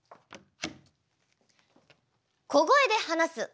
小声で話す。